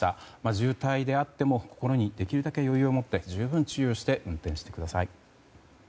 渋滞であっても心にできるだけ余裕をもって十分注意して運転をしてください。